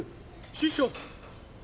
師匠！